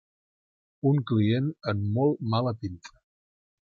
Un client amb molt mala pinta.